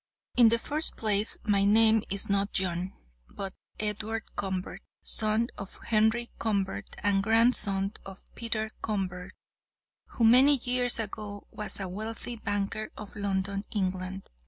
"'In the first place my name is not John, but Edward Convert, son of Henry Convert, and grandson of Peter Convert, who many years ago was a wealthy banker of London, England.